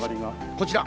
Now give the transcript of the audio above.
こちら。